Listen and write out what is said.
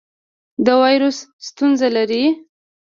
د وایرس ستونزه لرئ؟